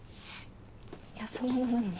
安物なのに。